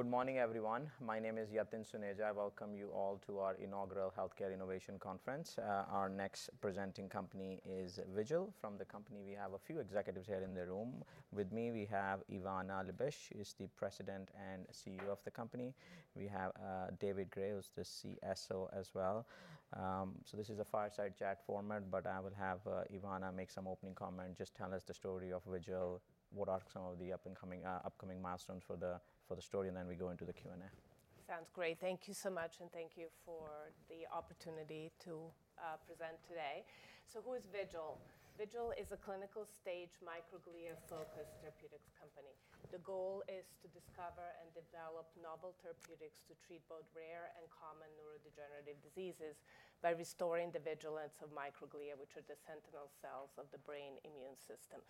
Good morning, everyone. My name is Yatin Suneja. I welcome you all to our inaugural Healthcare Innovation Conference. Our next presenting company is Vigil. From the company, we have a few executives here in the room. With me, we have Ivana Magovčević-Liebisch. She is the President and CEO of the company. We have David Gray, who's the CSO as well. So this is a fireside chat format, but I will have Ivana make some opening comments. Just tell us the story of Vigil, what are some of the upcoming milestones for the story, and then we go into the Q&A. Sounds great. Thank you so much, and thank you for the opportunity to present today. So who is Vigil? Vigil is a clinical stage microglia-focused therapeutics company. The goal is to discover and develop novel therapeutics to treat both rare and common neurodegenerative diseases by restoring the vigilance of microglia, which are the sentinel cells of the brain immune system.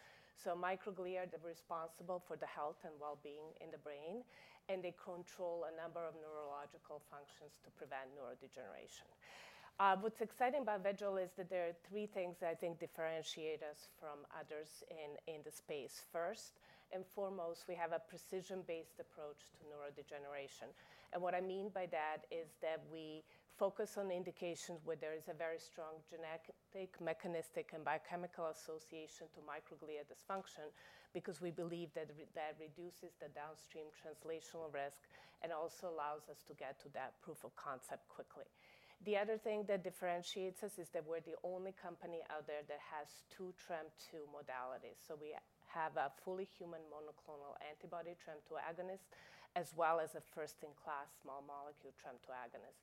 So microglia are responsible for the health and well-being in the brain, and they control a number of neurological functions to prevent neurodegeneration. What's exciting about Vigil is that there are three things that I think differentiate us from others in the space. First and foremost, we have a precision-based approach to neurodegeneration. What I mean by that is that we focus on indications where there is a very strong genetic, mechanistic, and biochemical association to microglia dysfunction because we believe that reduces the downstream translational risk and also allows us to get to that proof of concept quickly. The other thing that differentiates us is that we're the only company out there that has two TREM2 modalities. So we have a fully human monoclonal antibody TREM2 agonist as well as a first-in-class small molecule TREM2 agonist.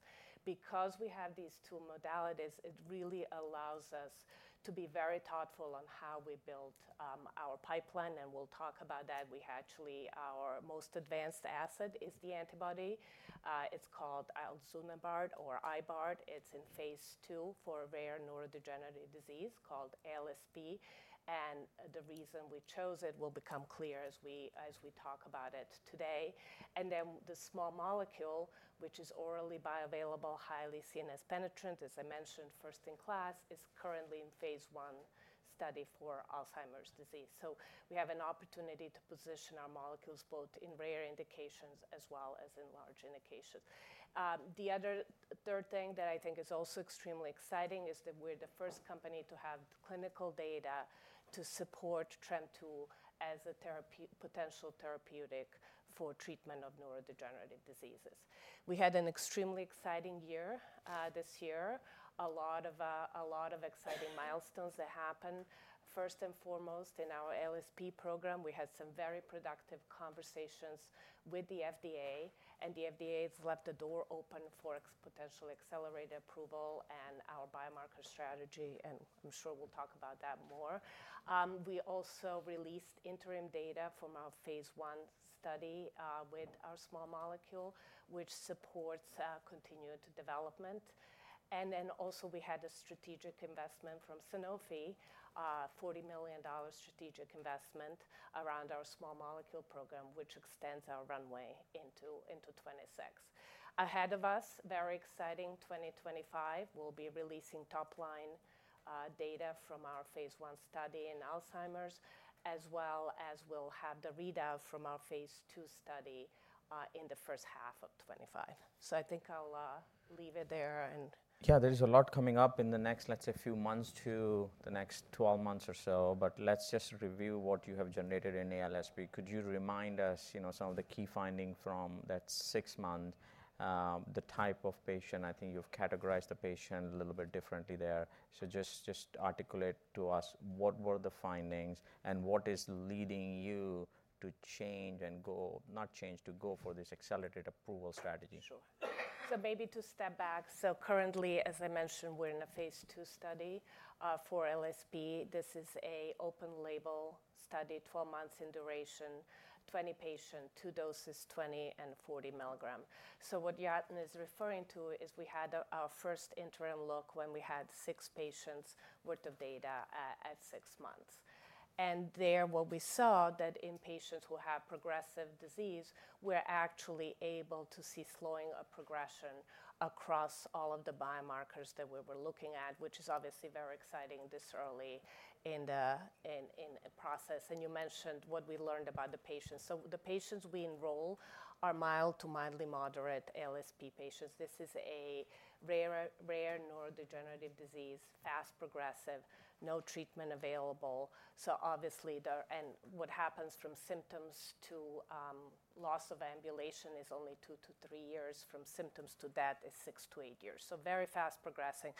Because we have these two modalities, it really allows us to be very thoughtful on how we build our pipeline, and we'll talk about that. We actually, our most advanced asset is the antibody. It's called Iluzanebart. It's in phase ll for rare neurodegenerative disease called ALSP. The reason we chose it will become clear as we talk about it today. And then the small molecule, which is orally bioavailable, highly CNS penetrant, as I mentioned, first-in-class, is currently in phase one study for Alzheimer's disease. So we have an opportunity to position our molecules both in rare indications as well as in large indications. The other third thing that I think is also extremely exciting is that we're the first company to have clinical data to support TREM2 as a potential therapeutic for treatment of neurodegenerative diseases. We had an extremely exciting year this year. A lot of exciting milestones that happened. First and foremost, in our ALSP program, we had some very productive conversations with the FDA, and the FDA has left the door open for potential accelerated approval and our biomarker strategy, and I'm sure we'll talk about that more. We also released interim data from our phase one study with our small molecule, which supports continued development. And then also we had a strategic investment from Sanofi, $40 million strategic investment around our small molecule program, which extends our runway into 2026. Ahead of us, very exciting, 2025, we'll be releasing top-line data from our phase one study in Alzheimer's, as well as we'll have the readout from our phase two study in the first half of 2025. So I think I'll leave it there and. Yeah, there's a lot coming up in the next, let's say, few months to the next 12 months or so, but let's just review what you have generated in ALSP. Could you remind us some of the key findings from that six-month? The type of patient, I think you've categorized the patient a little bit differently there. So just articulate to us what were the findings and what is leading you to change and go, not change to go for this Accelerated Approval strategy. Sure. So maybe to step back. So currently, as I mentioned, we're in a phase two study for ALSP. This is an open-label study, 12 months in duration, 20 patients, two doses, 20 and 40 milligram. So what Yatin is referring to is we had our first interim look when we had six patients' worth of data at six months. And there what we saw that in patients who have progressive disease, we're actually able to see slowing of progression across all of the biomarkers that we were looking at, which is obviously very exciting this early in the process. And you mentioned what we learned about the patients. So the patients we enroll are mild to mildly moderate ALSP patients. This is a rare neurodegenerative disease, fast progressive, no treatment available. So obviously, and what happens from symptoms to loss of ambulation is only two to three years. From symptoms to death is six to eight years. So very fast progressing.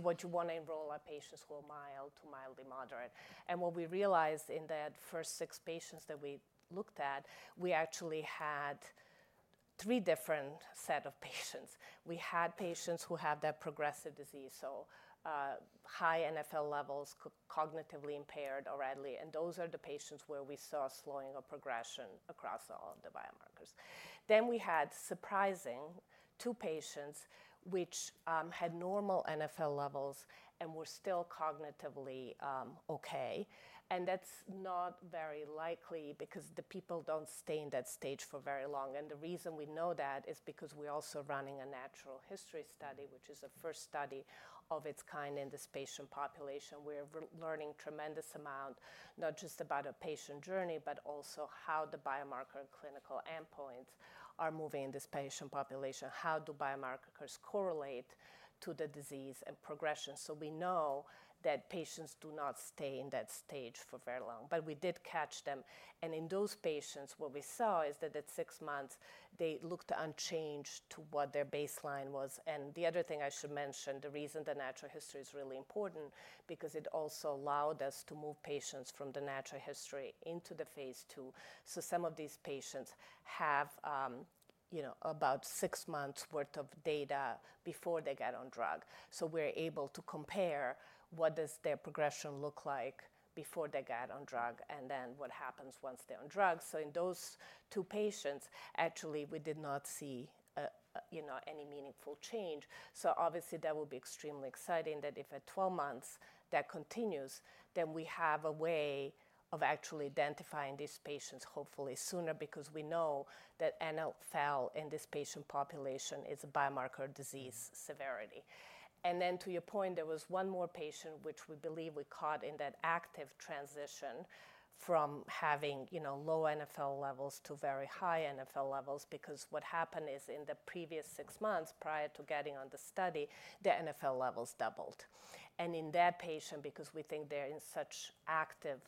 What you want to enroll are patients who are mild to mildly moderate. What we realized in that first six patients that we looked at, we actually had three different sets of patients. We had patients who have that progressive disease, so high NfL levels, cognitively impaired already. Those are the patients where we saw slowing of progression across all of the biomarkers. Then we had surprising two patients which had normal NfL levels and were still cognitively okay. That's not very likely because the people don't stay in that stage for very long. The reason we know that is because we're also running a natural history study, which is a first study of its kind in this patient population. We're learning a tremendous amount, not just about a patient journey, but also how the biomarker and clinical endpoints are moving in this patient population. How do biomarkers correlate to the disease and progression? So we know that patients do not stay in that stage for very long, but we did catch them. And in those patients, what we saw is that at six months, they looked unchanged to what their baseline was. And the other thing I should mention, the reason the natural history is really important is because it also allowed us to move patients from the natural history into the phase two. So some of these patients have about six months' worth of data before they get on drug. So we're able to compare what does their progression look like before they get on drug and then what happens once they're on drug. So in those two patients, actually, we did not see any meaningful change, so obviously, that will be extremely exciting that if at 12 months that continues, then we have a way of actually identifying these patients hopefully sooner because we know that NfL in this patient population is a biomarker disease severity, and then to your point, there was one more patient which we believe we caught in that active transition from having low NfL levels to very high NfL levels because what happened is in the previous six months prior to getting on the study, the NfL levels doubled, and in that patient, because we think they're in such active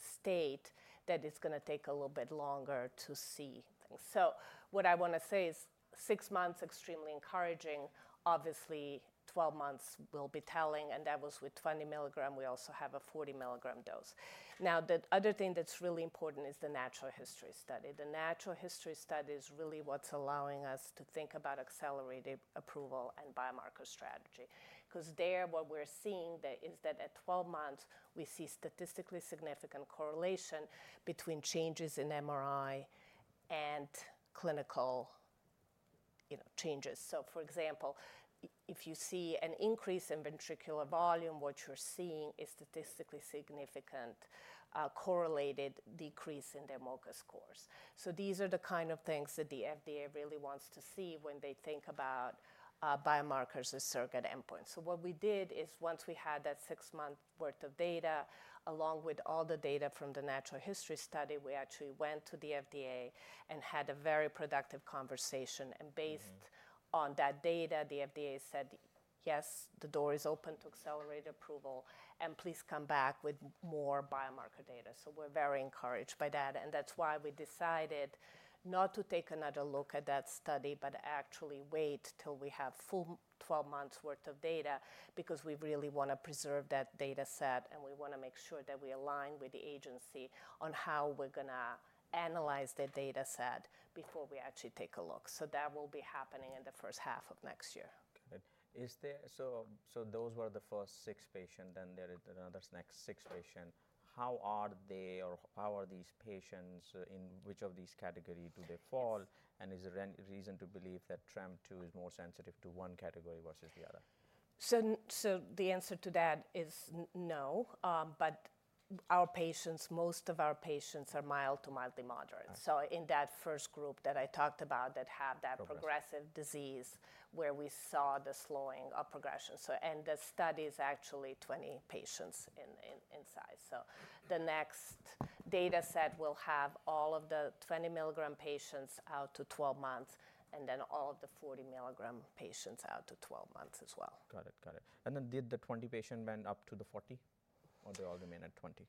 state, that it's going to take a little bit longer to see things, so what I want to say is six months, extremely encouraging. Obviously, 12 months will be telling, and that was with 20 milligram. We also have a 40 milligram dose. Now, the other thing that's really important is the natural history study. The natural history study is really what's allowing us to think about accelerated approval and biomarker strategy. Because there, what we're seeing is that at 12 months, we see statistically significant correlation between changes in MRI and clinical changes, so for example, if you see an increase in ventricular volume, what you're seeing is statistically significant correlated decrease in their MoCA scores, so these are the kind of things that the FDA really wants to see when they think about biomarkers as surrogate endpoints, so what we did is once we had that six-month worth of data along with all the data from the natural history study, we actually went to the FDA and had a very productive conversation. And based on that data, the FDA said, "Yes, the door is open to Accelerated Approval, and please come back with more biomarker data." So we're very encouraged by that. And that's why we decided not to take another look at that study, but actually wait till we have full 12 months' worth of data because we really want to preserve that data set, and we want to make sure that we align with the agency on how we're going to analyze the data set before we actually take a look. So that will be happening in the first half of next year. So those were the first six patients, then there is another next six patients. How are they or how are these patients? In which of these categories do they fall, and is there a reason to believe that TREM2 is more sensitive to one category versus the other? So the answer to that is no, but our patients, most of our patients, are mild to mildly moderate. So in that first group that I talked about that have that progressive disease where we saw the slowing of progression, the study is actually 20 patients in size. So the next data set will have all of the 20 milligram patients out to 12 months, and then all of the 40 milligram patients out to 12 months as well. Got it. And then did the 20 patients went up to the 40, or they all remain at 20?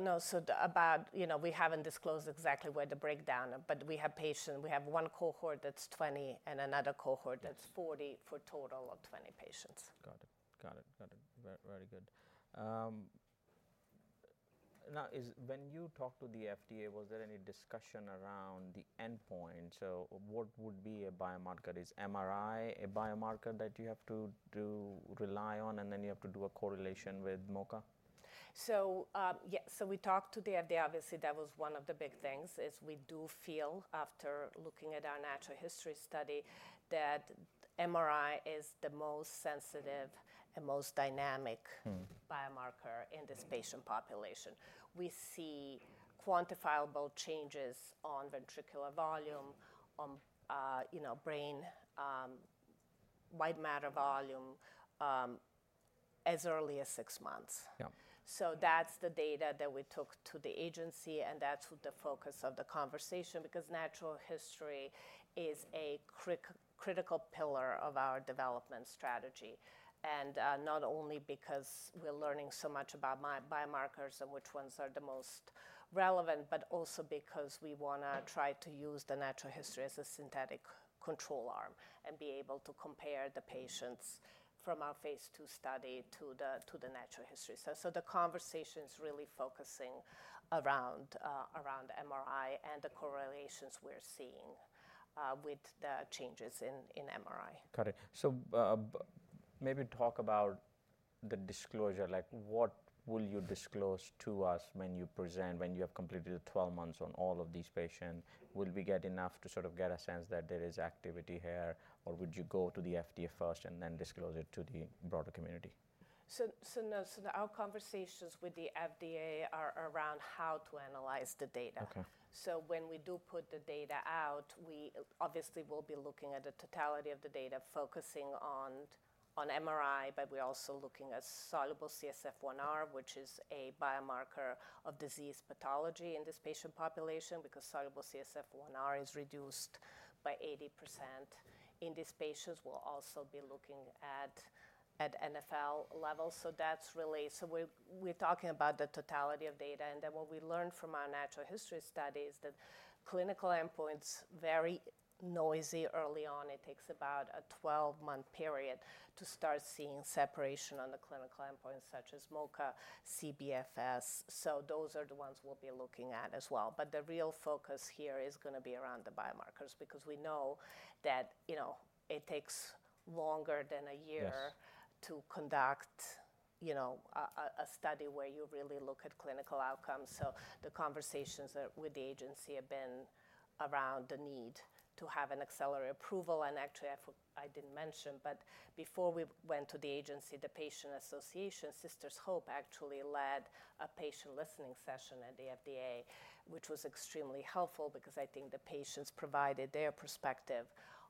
No, we haven't disclosed exactly where the breakdown, but we have patients. We have one cohort that's 20 and another cohort that's 40 for a total of 20 patients. Got it. Got it. Got it. Very good. Now, when you talked to the FDA, was there any discussion around the endpoint? So what would be a biomarker? Is MRI a biomarker that you have to rely on, and then you have to do a correlation with MoCA? So yeah, so we talked to the FDA. Obviously, that was one of the big things is we do feel after looking at our natural history study that MRI is the most sensitive and most dynamic biomarker in this patient population. We see quantifiable changes on ventricular volume, on brain white matter volume as early as six months, so that's the data that we took to the agency, and that's the focus of the conversation because natural history is a critical pillar of our development strategy, and not only because we're learning so much about biomarkers and which ones are the most relevant, but also because we want to try to use the natural history as a synthetic control arm and be able to compare the patients from our phase two study to the natural history. So the conversation is really focusing around MRI and the correlations we're seeing with the changes in MRI. Got it. So maybe talk about the disclosure. What will you disclose to us when you present, when you have completed 12 months on all of these patients? Will we get enough to sort of get a sense that there is activity here, or would you go to the FDA first and then disclose it to the broader community? So, no. So our conversations with the FDA are around how to analyze the data. So when we do put the data out, we obviously will be looking at the totality of the data, focusing on MRI, but we're also looking at soluble CSF1R, which is a biomarker of disease pathology in this patient population because soluble CSF1R is reduced by 80% in these patients. We'll also be looking at NFL levels. So that's really, so we're talking about the totality of data. And then what we learned from our natural history study is that clinical endpoints are very noisy early on. It takes about a 12-month period to start seeing separation on the clinical endpoints such as MoCA, CBFS. So those are the ones we'll be looking at as well. But the real focus here is going to be around the biomarkers because we know that it takes longer than a year to conduct a study where you really look at clinical outcomes. So the conversations with the agency have been around the need to have an accelerated approval. And actually, I didn't mention, but before we went to the agency, the Patient Association, Sisters' Hope actually led a patient listening session at the FDA, which was extremely helpful because I think the patients provided their perspective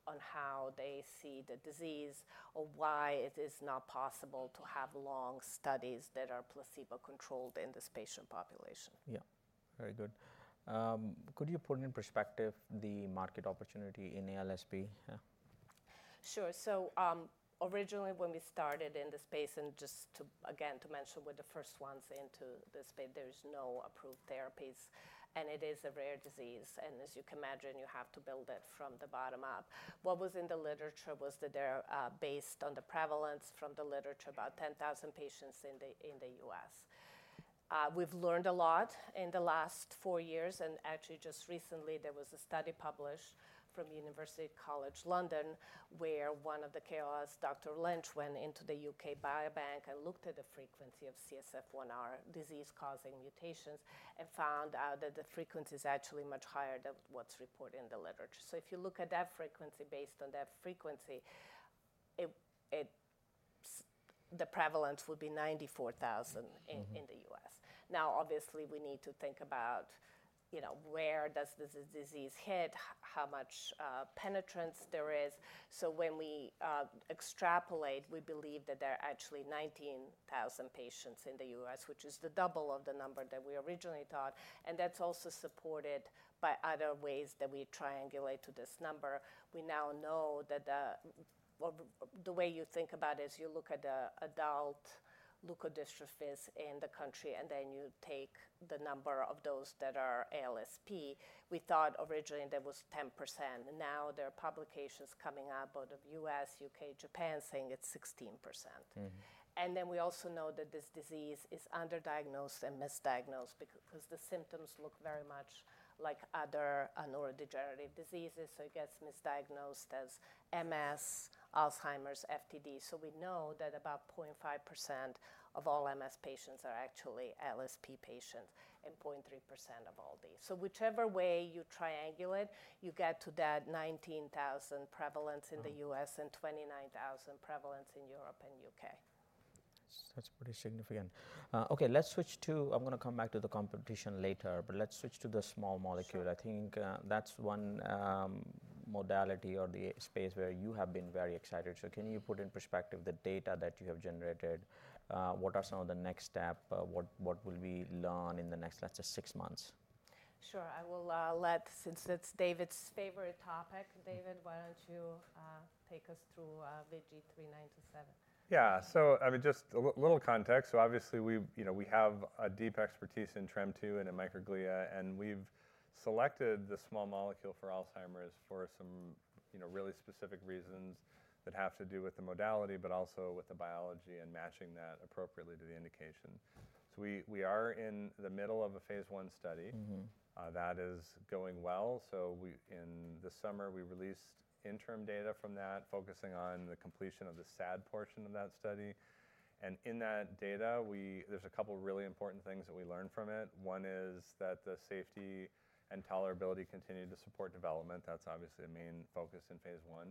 on how they see the disease or why it is not possible to have long studies that are placebo-controlled in this patient population. Yeah. Very good. Could you put in perspective the market opportunity in ALSP? Sure. So originally when we started in the space, and just to again mention with the first ones into this space, there's no approved therapies. And it is a rare disease. And as you can imagine, you have to build it from the bottom up. What was in the literature was that they're based on the prevalence from the literature, about 10,000 patients in the US. We've learned a lot in the last four years. And actually, just recently, there was a study published from University College London where one of the KOLs, Dr. Lynch, went into the UK Biobank and looked at the frequency of CSF1R disease-causing mutations and found out that the frequency is actually much higher than what's reported in the literature. So if you look at that frequency based on that frequency, the prevalence would be 94,000 in the US. Now, obviously, we need to think about where does this disease hit, how much penetrance there is. So when we extrapolate, we believe that there are actually 19,000 patients in the U.S., which is the double of the number that we originally thought. And that's also supported by other ways that we triangulate to this number. We now know that the way you think about it is you look at adult leukodystrophies in the country, and then you take the number of those that are ALSP. We thought originally there was 10%. Now there are publications coming out both of U.S., U.K., Japan saying it's 16%. And then we also know that this disease is underdiagnosed and misdiagnosed because the symptoms look very much like other neurodegenerative diseases. So it gets misdiagnosed as MS, Alzheimer's, FTD. We know that about 0.5% of all MS patients are actually ALSP patients and 0.3% of all these. Whichever way you triangulate, you get to that 19,000 prevalence in the U.S. and 29,000 prevalence in Europe and U.K. That's pretty significant. Okay, let's switch to. I'm going to come back to the competition later, but let's switch to the small molecule. I think that's one modality or the space where you have been very excited. So can you put in perspective the data that you have generated? What are some of the next steps? What will we learn in the next, let's say, six months? Sure. I will let, since it's David's favorite topic, David, why don't you take us through VG-3927? Yeah. So I mean, just a little context. So obviously, we have a deep expertise in TREM2 and in microglia. And we've selected the small molecule for Alzheimer's for some really specific reasons that have to do with the modality, but also with the biology and matching that appropriately to the indication. So we are in the middle of a phase one study that is going well. So in the summer, we released interim data from that focusing on the completion of the SAD portion of that study. And in that data, there's a couple of really important things that we learned from it. One is that the safety and tolerability continue to support development. That's obviously a main focus in phase one.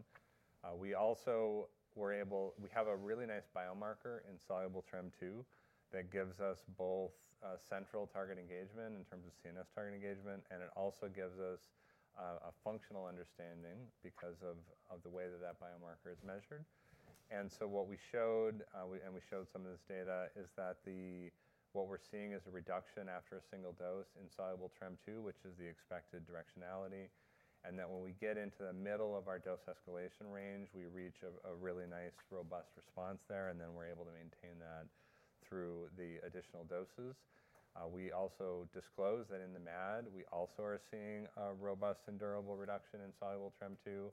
We also were able. We have a really nice biomarker in soluble TREM2 that gives us both central target engagement in terms of CNS target engagement, and it also gives us a functional understanding because of the way that that biomarker is measured. And so what we showed, and we showed some of this data, is that what we're seeing is a reduction after a single dose in soluble TREM2, which is the expected directionality. And that when we get into the middle of our dose escalation range, we reach a really nice robust response there, and then we're able to maintain that through the additional doses. We also disclosed that in the MAD, we also are seeing a robust and durable reduction in soluble TREM2.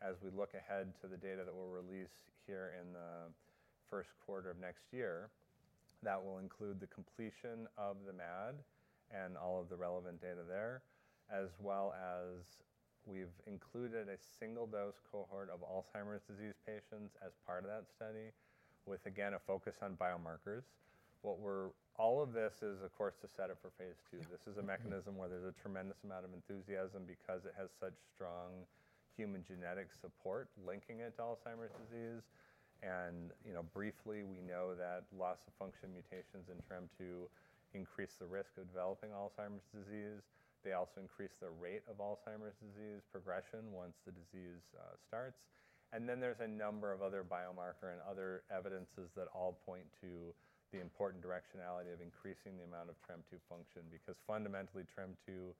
As we look ahead to the data that we'll release here in the first quarter of next year, that will include the completion of the MAD and all of the relevant data there, as well as we've included a single dose cohort of Alzheimer's disease patients as part of that study with, again, a focus on biomarkers. What we're, all of this is, of course, to set up for phase two. This is a mechanism where there's a tremendous amount of enthusiasm because it has such strong human genetic support linking it to Alzheimer's disease. Briefly, we know that loss of function mutations in TREM2 increase the risk of developing Alzheimer's disease. They also increase the rate of Alzheimer's disease progression once the disease starts. And then there's a number of other biomarker and other evidences that all point to the important directionality of increasing the amount of TREM2 function because fundamentally, TREM2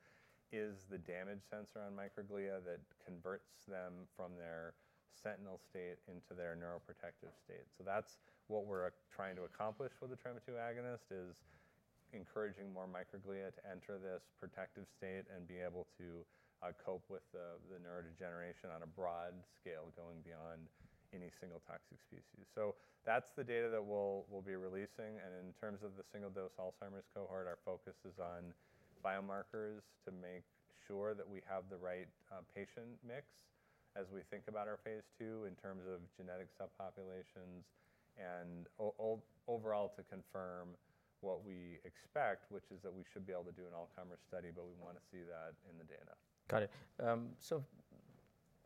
is the damage sensor on microglia that converts them from their sentinel state into their neuroprotective state. So that's what we're trying to accomplish with the TREM2 agonist is encouraging more microglia to enter this protective state and be able to cope with the neurodegeneration on a broad scale going beyond any single toxic species. So that's the data that we'll be releasing. In terms of the single dose Alzheimer's cohort, our focus is on biomarkers to make sure that we have the right patient mix as we think about our phase ll in terms of genetic subpopulations and overall to confirm what we expect, which is that we should be able to do an Alzheimer's study, but we want to see that in the data. Got it. So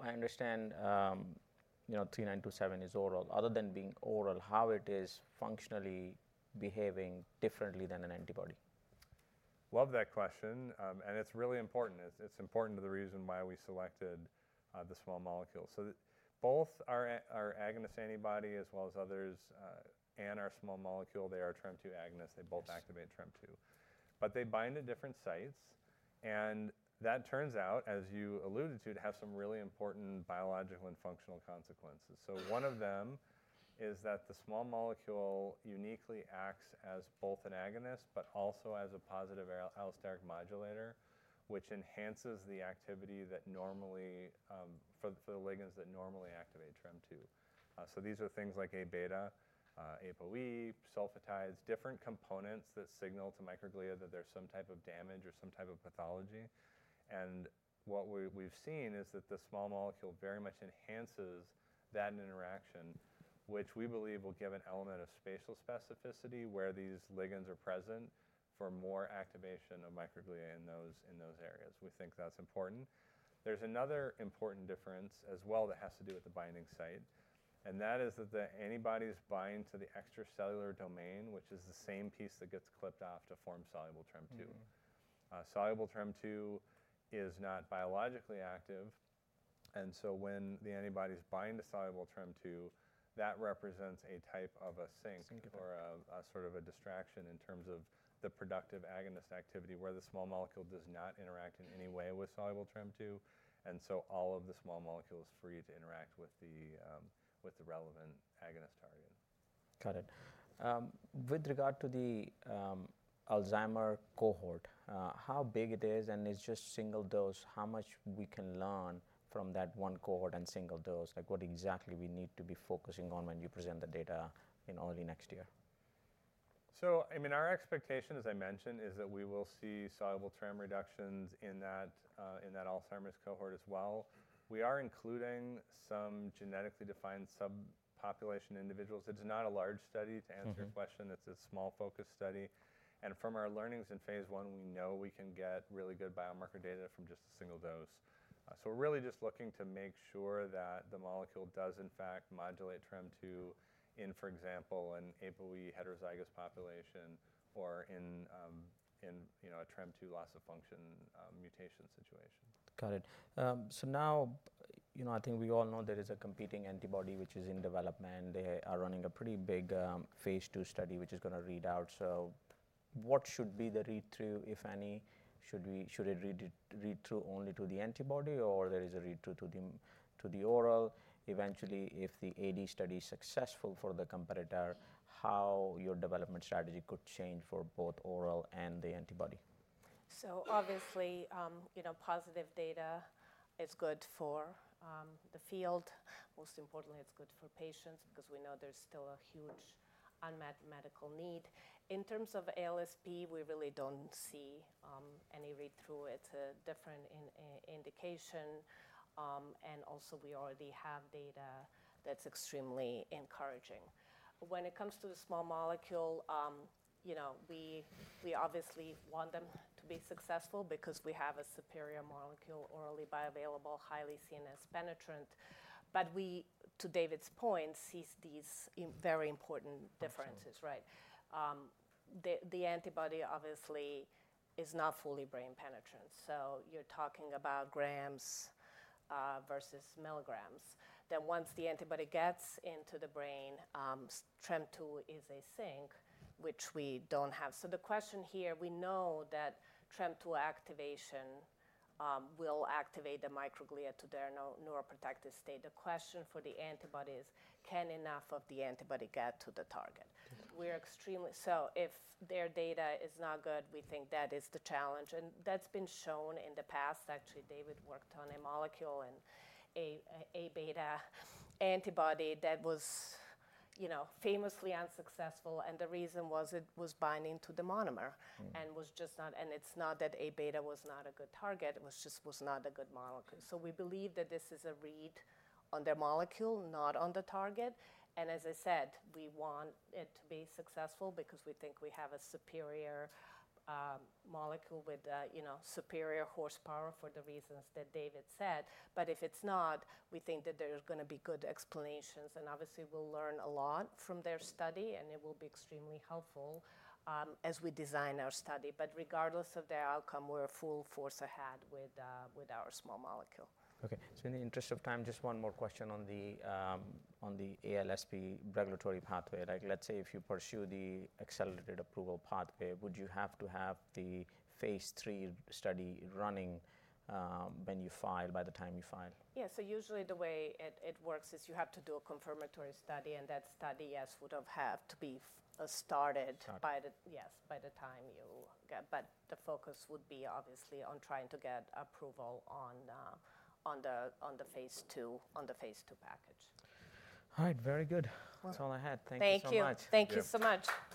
I understand VG-3927 is oral. Other than being oral, how it is functionally behaving differently than an antibody? Love that question. And it's really important. It's important to the reason why we selected the small molecule. So both our agonist antibody as well as others and our small molecule, they are TREM2 agonist. They both activate TREM2. But they bind at different sites. And that turns out, as you alluded to, to have some really important biological and functional consequences. So one of them is that the small molecule uniquely acts as both an agonist, but also as a positive allosteric modulator, which enhances the activity that normally for the ligands that normally activate TREM2. So these are things like Aβ, ApoE, sulfatides, different components that signal to microglia that there's some type of damage or some type of pathology. What we've seen is that the small molecule very much enhances that interaction, which we believe will give an element of spatial specificity where these ligands are present for more activation of microglia in those areas. We think that's important. There's another important difference as well that has to do with the binding site. And that is that the antibodies bind to the extracellular domain, which is the same piece that gets clipped off to form soluble TREM2. Soluble TREM2 is not biologically active. And so when the antibodies bind to soluble TREM2, that represents a type of a sink or a sort of a distraction in terms of the productive agonist activity where the small molecule does not interact in any way with soluble TREM2. And so all of the small molecules are free to interact with the relevant agonist target. Got it. With regard to the Alzheimer's cohort, how big it is and it's just single dose, how much we can learn from that one cohort and single dose? Like what exactly we need to be focusing on when you present the data in early next year? So I mean, our expectation, as I mentioned, is that we will see soluble TREM2 reductions in that Alzheimer's cohort as well. We are including some genetically defined subpopulation individuals. It's not a large study to answer your question. It's a small focus study. And from our learnings in phase one, we know we can get really good biomarker data from just a single dose. So we're really just looking to make sure that the molecule does in fact modulate TREM2 in, for example, an ApoE heterozygous population or in a TREM2 loss of function mutation situation. Got it. So now, I think we all know there is a competing antibody which is in development. They are running a pretty big phase two study which is going to read out. So what should be the read-through, if any? Should it read through only to the antibody or there is a read-through to the oral? Eventually, if the AD study is successful for the competitor, how your development strategy could change for both oral and the antibody? So obviously, positive data is good for the field. Most importantly, it's good for patients because we know there's still a huge unmet medical need. In terms of ALSP, we really don't see any read-through. It's a different indication. And also we already have data that's extremely encouraging. When it comes to the small molecule, we obviously want them to be successful because we have a superior molecule orally bioavailable, highly CNS penetrant. But we, to David's point, see these very important differences, right? The antibody obviously is not fully brain penetrant. So you're talking about grams versus milligrams. Then once the antibody gets into the brain, TREM2 is a sink, which we don't have. So the question here, we know that TREM2 activation will activate the microglia to their neuroprotective state. The question for the antibody is, can enough of the antibody get to the target? So if their data is not good, we think that is the challenge. And that's been shown in the past. Actually, David worked on a molecule and Aβ antibody that was famously unsuccessful. And the reason was it was binding to the monomer and was just not, and it's not that Aβ was not a good target. It was just not a good molecule. So we believe that this is a read on their molecule, not on the target. And as I said, we want it to be successful because we think we have a superior molecule with superior horsepower for the reasons that David said. But if it's not, we think that there's going to be good explanations. And obviously, we'll learn a lot from their study and it will be extremely helpful as we design our study. But regardless of their outcome, we're full force ahead with our small molecule. Okay. So in the interest of time, just one more question on the ALSP regulatory pathway. Let's say if you pursue the accelerated approval pathway, would you have to have the phase three study running when you file, by the time you file? Yeah. So usually the way it works is you have to do a confirmatory study and that study would have had to be started by the time you get, but the focus would be obviously on trying to get approval on the phase two package. All right. Very good. That's all I had. Thank you so much. Thank you. Thank you so much.